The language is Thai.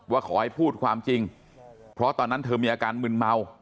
ว่าขอให้พูดความจริงเพราะตอนนั้นเธอมีอาการมึนเมา